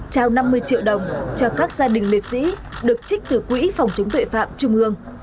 trao năm mươi triệu đồng cho các gia đình liệt sĩ được trích từ quỹ phòng chống tội phạm trung ương